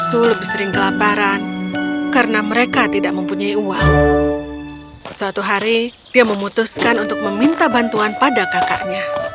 suatu hari dia memutuskan untuk meminta bantuan pada kakaknya